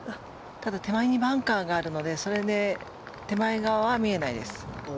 ただ、手前にバンカーがあるのでそれで手前側は見えないです。